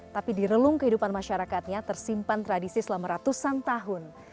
tapi di relung kehidupan masyarakatnya tersimpan tradisi selama ratusan tahun